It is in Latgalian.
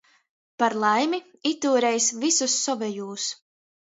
Par laimi, itūreiz vysus sovejūs.